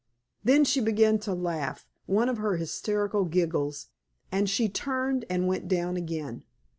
Then she began to laugh, one of her hysterical giggles, and she turned and went down again.